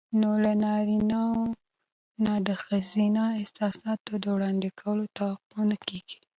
نو له نارينه نه د ښځينه احساساتو د وړاندې کولو توقع نه کېږي.